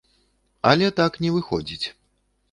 Але так не выходзіць.